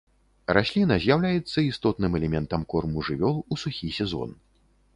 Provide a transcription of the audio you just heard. Расліна з'яўляецца істотным элементам корму жывёл у сухі сезон.